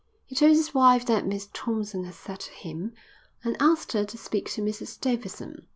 He told his wife what Miss Thompson had said to him and asked her to speak to Mrs Davidson.